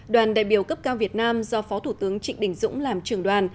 đoàn đại biểu cấp cao việt nam do phó thủ tướng trịnh đình dũng làm trưởng đoàn